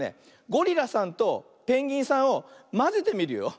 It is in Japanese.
ゴリラさんとペンギンさんをまぜてみるよ。